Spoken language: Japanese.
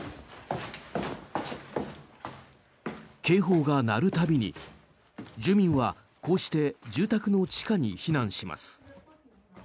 警報が鳴る度に住民はこうして住宅の地下に避難します。